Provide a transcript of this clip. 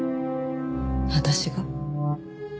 私が？